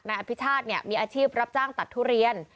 อภิชาติมีอาชีพรับจ้างตัดทุเรียน